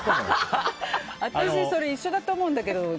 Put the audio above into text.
私、それ一緒だと思うんだけど。